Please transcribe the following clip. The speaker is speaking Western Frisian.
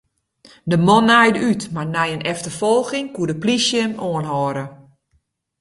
De man naaide út, mar nei in efterfolging koe de polysje him oanhâlde.